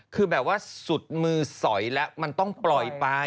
คือแบบว่าสุดมือสอยแล้วมันต้องปล่อยไป